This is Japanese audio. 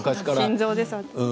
心臓です。